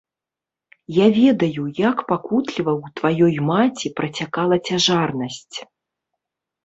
Я ведаю, як пакутліва ў тваёй маці працякала цяжарнасць.